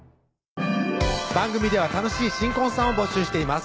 番組では楽しい新婚さんを募集しています